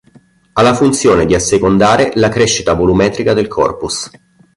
Ha la funzione di assecondare la crescita volumetrica del corpus.